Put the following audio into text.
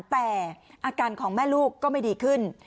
แต่อาการของแม่ลูกก็ไม่ดีขึ้น